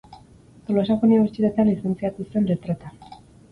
Tolosako unibertsitatean lizentziatu zen Letretan.